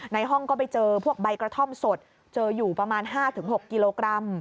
ในห้องก็ไปเจอพวกใบกระท่อมสดเจออยู่ประมาณ๕๖กิโลกรัม